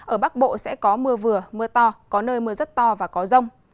ở bắc bộ sẽ có mưa vừa mưa to có nơi mưa rất to và có rông